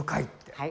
はい。